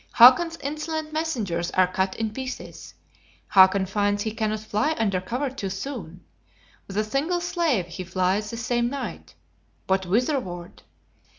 Hakon's insolent messengers are cut in pieces; Hakon finds he cannot fly under cover too soon. With a single slave he flies that same night; but whitherward?